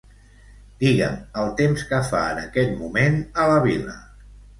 Digue'm el temps que fa en aquest moment a la vila.